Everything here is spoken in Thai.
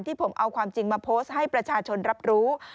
ผมเอาความจริงมาโพสต์ให้ประชาชนรับรู้